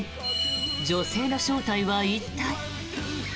女性の正体は一体？